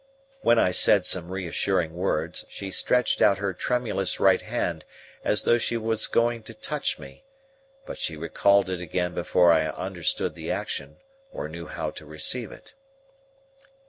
When I said some reassuring words, she stretched out her tremulous right hand, as though she was going to touch me; but she recalled it again before I understood the action, or knew how to receive it.